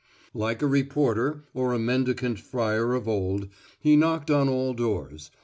Like a reporter, or a mendicant friar of old, he knocked on all doors.